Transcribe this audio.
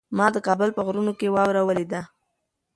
ما د کابل په غرونو کې واوره ولیده.